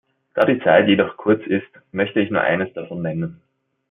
Da die Zeit jedoch kurz ist, möchte ich nur eines davon nennen.